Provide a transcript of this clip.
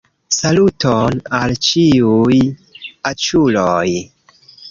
Saluton al ĉiuj aĉuloj